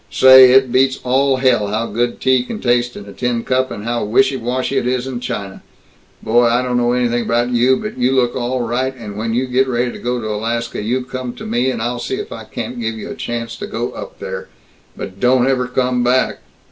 Say, it beats all hell how good tea can taste in a tin cup, and how wishy washy it is in china. Boy, I don't know anything about you, but you look all right, and when you get ready to go to Alaska, you come to me, and I'll see if I can't give you a chance to go up there. But don't ever come back!"